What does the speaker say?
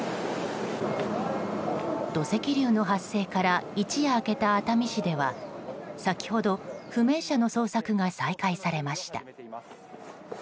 土石流の発生から一夜明けた熱海市では先ほど不明者の捜索が再開されました。